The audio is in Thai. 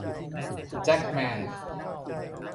แจ็คแมน